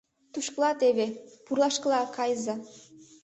— Тушкыла теве, пурлашкыла, кайыза.